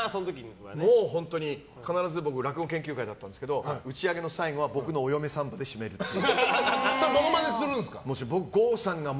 もう本当に必ず僕、落語研究会だったんですけど打ち上げの最後は僕の「お嫁サンバ」でモノマネするんですか？